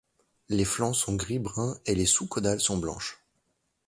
Les flancs sont gris-brun et les sous-caudales sont blanches.